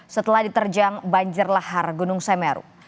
setelah diterjang banjir lahar gunung semeru